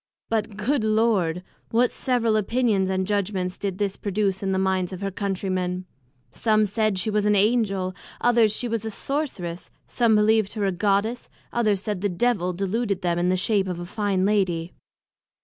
But, good Lord! what several Opinions and Judgments did this produce in the minds of her Country men! some said she was an Angel; others, she was a sorceress; some believed her a Goddess; others said the Devil deluded them in the shape of a fine Lady.